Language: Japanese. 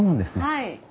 はい。